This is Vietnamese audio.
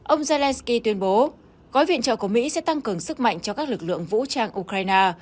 ông zelenskyy tuyên bố gói viện trợ của mỹ sẽ tăng cường sức mạnh cho các lực lượng vũ trang ukraine